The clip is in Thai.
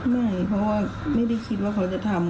ไม่เพราะว่าไม่ได้คิดว่าเขาจะทำ